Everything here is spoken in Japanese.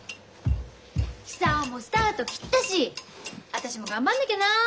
久男もスタート切ったし私も頑張んなきゃな。